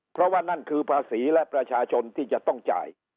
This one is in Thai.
เพราะว่านั่นคือภาษีและประชาชนที่จะต้องจ่าย